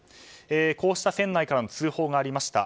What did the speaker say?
こうした船内からの通報がありました。